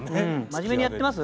真面目にやってます？